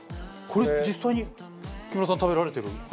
これ実際に木村さん食べられてる？